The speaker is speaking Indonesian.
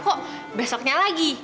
kok besoknya lagi